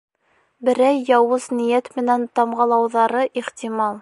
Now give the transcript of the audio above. Берәй яуыз ниәт менән тамғалауҙары ихтимал.